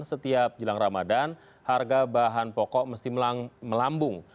setiap jelang ramadan harga bahan pokok mesti melambung